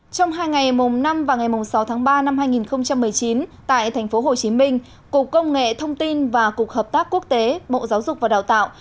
trong hai ngày mùng năm và ngày mùng sáu tháng ba năm hai nghìn một mươi chín tại tp hcm cục công nghệ thông tin và cục hợp tác quốc tế bộ giáo dục và đào tạo